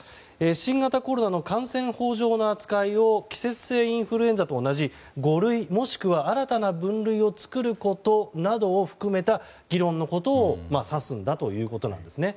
新型コロナの感染法上の扱いを季節性インフルエンザと同じ五類もしくは新たな分類を作ることなどを含めた議論のことを指すんだということですね。